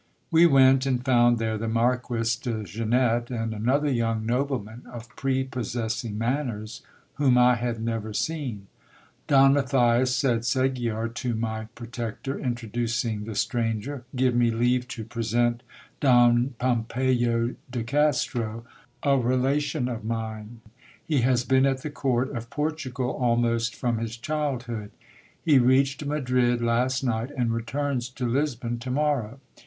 We went, and found there the Marquis de Zenette, and another young nobleman of prepossessing manners, whom I had never seen. Don Matthias, said Segiar to my protector, introducing the stranger, give me leave to present Don Pompeyo de Castro, a relation of mine. He has been at the court of Portugal almost from his childhood. He reached Madrid last night, and returns to Lisbon to morrow.